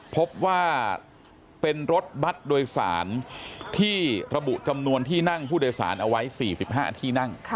พบว่าเป็นรถบัตรโดยสารที่ระบุจำนวนที่นั่งผู้โดยสารเอาไว้๔๕ที่นั่ง